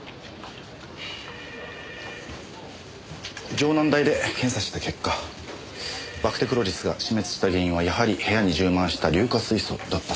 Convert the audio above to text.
城南大で検査した結果バクテクロリスが死滅した原因はやはり部屋に充満した硫化水素だったそうです。